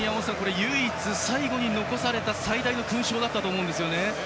唯一、最後に残された最大の勲章だったと思うんですよね。